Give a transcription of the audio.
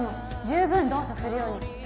十分動作するように